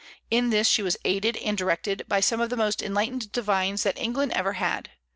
In this she was aided and directed by some of the most enlightened divines that England ever had.